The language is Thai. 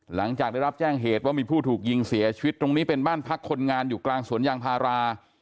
หลังจากได้รับแจ้งเหตุว่ามีผู้ถูกยิงเสียชีวิตตรงนี้เป็นบ้านพักคนงานอยู่กลางสวนยางพารา